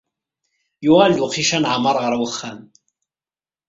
Yuɣal-d uqcic aneɛmar ɣer uxxam.